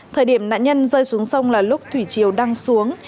thời điểm nạn nhân rơi xuống sông là lúc thủy chiều đang xuống